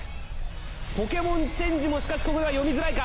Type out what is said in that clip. ポケモンチェンジもしかしここでは読みづらいか。